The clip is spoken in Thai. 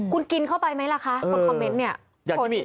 คุณกินเข้าไปไหมล่ะคะคนคอมเมนต์เนี่ย